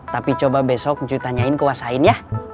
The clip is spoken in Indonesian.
tapi coba besok cuy tanyain ke wasain ya